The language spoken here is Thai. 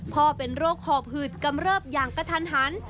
พ่อเป็นโรคหอบหืดกำเริบอย่างกระทันหัน